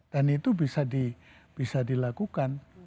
dan itu bisa dilakukan